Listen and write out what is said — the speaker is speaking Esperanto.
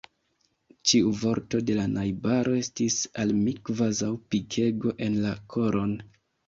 Ĉiu vorto de la najbaro estis al mi kvazaŭ pikego en la koron.